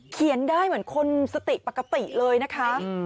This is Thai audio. เขียนได้เหมือนคนสติปกติเลยนะคะ